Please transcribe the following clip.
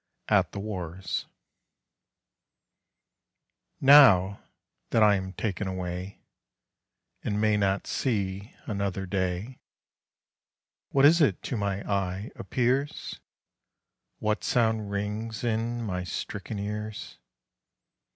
AT THE WARS Now that I am ta'en away, And may not see another day, What is it to my eye appears? What sound rings in my stricken ears?